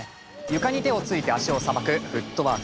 床に手をついて足をさばくフットワーク。